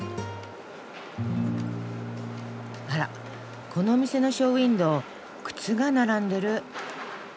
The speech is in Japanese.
あらこのお店のショーウインドー靴が並んでる。